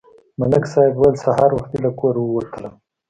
ملک صاحب ویل: سهار وختي له کوره ووتلم.